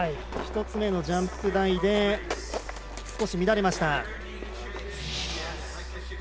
１つ目のジャンプ台で乱れました。